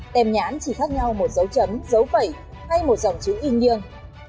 tem nhãn chỉ khác nhau một dấu chấm dấu phẩy hay một dòng chữ y niêng